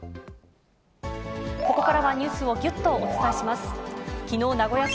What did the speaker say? ここからはニュースをぎゅっとお伝えします。